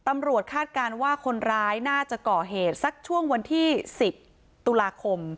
คาดการณ์ว่าคนร้ายน่าจะก่อเหตุสักช่วงวันที่๑๐ตุลาคม